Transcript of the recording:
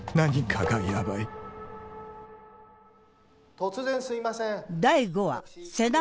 ・突然すいません。